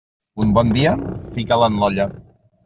Un bon dia, fica'l en l'olla.